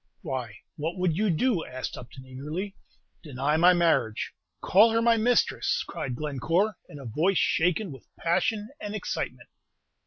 "Why, what would you do?" asked Upton, eagerly. "Deny my marriage; call her my mistress!" cried Glencore, in a voice shaken with passion and excitement.